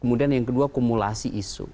kemudian yang kedua kumulasi isu